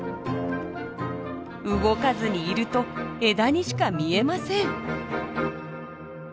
動かずにいると枝にしか見えません。